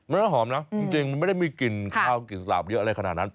น้ำหอมนะจริงมันไม่ได้มีกลิ่นข้าวกลิ่นสาบเยอะอะไรขนาดนั้น